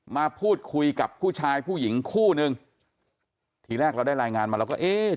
มาพูดคุยกับผู้ชายผู้หญิงคู่นึงทีแรกเราได้รายงานมาเราก็เอ๊ะ